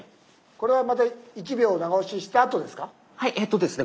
これはまた１秒長押ししたあとですか？